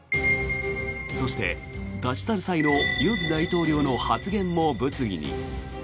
そして、立ち去る際の尹大統領の発言も物議に。